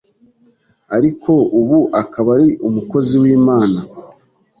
ariko ubu akaba ari umukozi w’Imana.